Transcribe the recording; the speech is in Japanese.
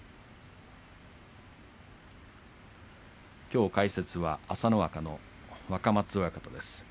きょう、解説は朝乃若の若松親方です。